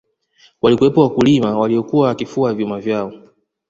walikuwepo wakulima waliyokuwa wakifua vyuma vyao